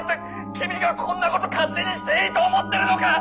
君がこんな事勝手にしていいと思ってるのかッ！」。